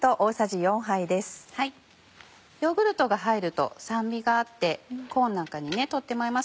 ヨーグルトが入ると酸味があってコーンなんかにとっても合います。